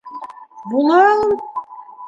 Була ул.